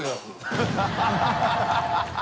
ハハハ